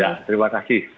ya terima kasih